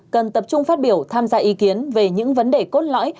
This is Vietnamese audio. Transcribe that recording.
cần tập trung phát biểu tham gia ý kiến về những vấn đề cốt lõi